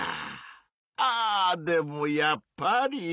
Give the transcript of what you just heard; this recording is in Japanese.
あでもやっぱり。